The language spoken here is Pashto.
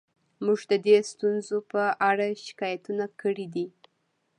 موږ د دې ستونزو په اړه شکایتونه کړي دي